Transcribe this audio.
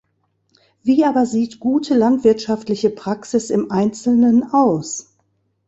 Wie aber sieht gute landwirtschaftliche Praxis im Einzelnen aus?